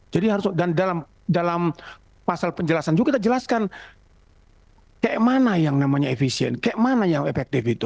jadi harus dan dalam pasal penjelasan juga kita jelaskan kayak mana yang namanya efisien kayak mana yang efektif itu